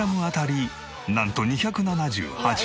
なんと２７８円。